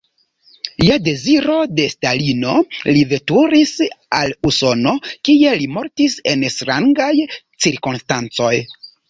Je deziro de Stalino li veturis al Usono, kie li mortis en strangaj cirkonstancoj.